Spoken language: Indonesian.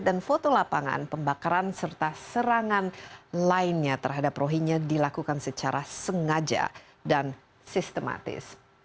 dan foto lapangan pembakaran serta serangan lainnya terhadap rohingya dilakukan secara sengaja dan sistematis